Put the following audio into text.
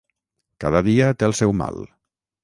Cada dia té el seu mal.